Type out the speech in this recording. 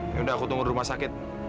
ini udah aku tunggu di rumah sakit